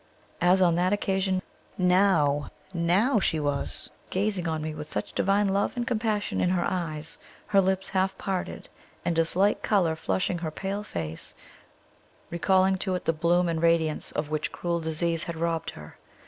As on that occasion, now now she was gazing on me with such divine love and compassion in her eyes, her lips half parted, and a slight color flushing her pale face, recalling to it the bloom and radiance of which cruel disease had robbed her!